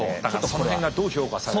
その辺がどう評価されるか。